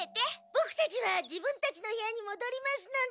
ボクたちは自分たちの部屋にもどりますので。